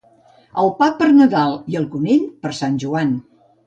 El pa per Nadal i el conill per Sant Joan.